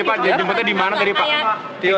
pak penjelasan dimana tadi pak